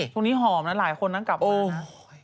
ตรงนี้หอมนะหลายคนนั้นกลับมานะ